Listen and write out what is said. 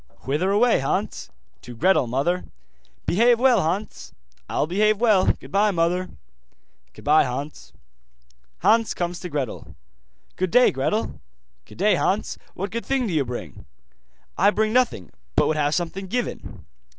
'Whither away, Hans?' 'To Gretel, mother.' 'Behave well, Hans.' 'I'll behave well. Goodbye, mother.' 'Goodbye, Hans.' Hans comes to Gretel. 'Good day, Gretel.' 'Good day, Hans. What good thing do you bring?' 'I bring nothing, but would have something given.